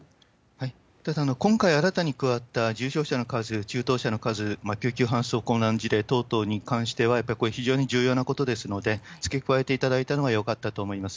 ただ、今回新たに加わった重症者の数、中等者の数、救急搬送困難事例等々に関しては、やっぱりこれ、非常に重要なことですので、付け加えていただいたのはよかったと思います。